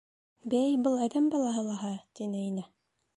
— Бәй, был әҙәм балаһы лаһа, — тине Инә.